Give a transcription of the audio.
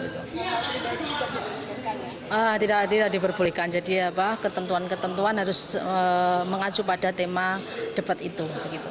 tidak diperbolehkan jadi ketentuan ketentuan harus mengacu pada tema debat itu